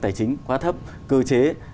tài chính quá thấp cơ chế